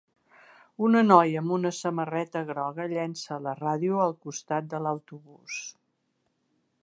Una noia amb una samarreta groga llença la ràdio al costat de l'autobús